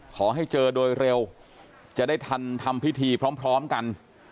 ขอให้เจอโดยเร็วจะได้ทันทำพิธีพร้อมกัน